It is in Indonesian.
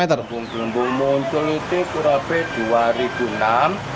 gelembung gelembung muncul di kurabay dua ribu enam